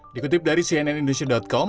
dikutip dari cnnindonesia com